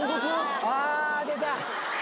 あ出た！